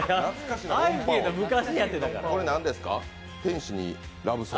これ、何ですか？